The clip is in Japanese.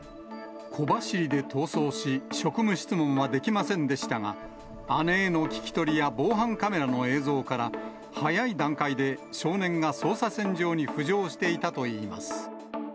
小走りで逃走し、職務質問はできませんでしたが、姉への聞き取りや防犯カメラの映像から、早い段階で少年が捜査線上に浮上していたといいます。